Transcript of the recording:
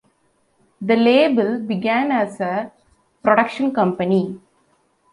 The label began as a production company.